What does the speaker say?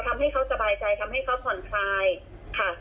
ทำให้เขาสบายใจทำให้เขาผ่อนคลายค่ะ